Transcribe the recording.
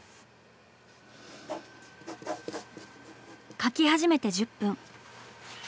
描き始めて１０分。